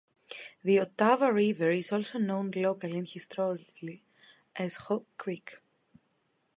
The Ottawa River is also known locally and historically as "Hog Creek".